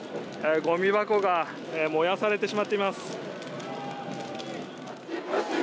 ごみ箱が燃やされてしまっています。